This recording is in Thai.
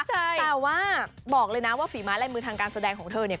แต่ว่าบอกเลยนะว่าฝีไม้ลายมือทางการแสดงของเธอเนี่ย